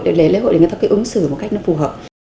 để lễ hội để người ta cái ứng xử một cách nó phù hợp